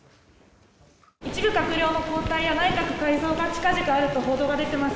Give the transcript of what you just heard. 一部閣僚の交代や内閣改造がちかぢかあると報道が出てます。